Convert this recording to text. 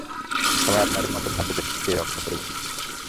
সবাই আপনাদের মত ভাবলে দেশকে কে রক্ষা করবে?